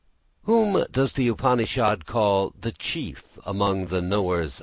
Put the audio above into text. Whom does the Upanishad call _The chief among the knowers of Brahma?